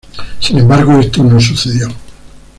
Sin embargo, esto no sucedió.